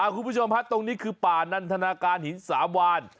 คุณผู้ชมฮะตรงนี้คือป่านันทนาการหินสามวาน